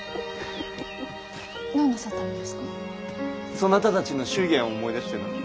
そなたたちの祝言を思い出してな。